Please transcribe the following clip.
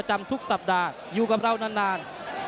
จะมาใส่กันเลย